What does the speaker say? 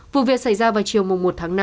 vụ việc xảy ra vào chiều một tháng năm